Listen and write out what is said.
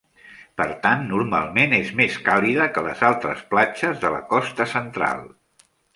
Per tant, normalment és més càlida que les altres platges de la costa central.